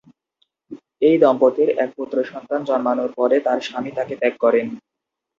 এই দম্পতির এক পুত্র সন্তান জন্মানোর পরে তাঁর স্বামী তাঁকে ত্যাগ করেন।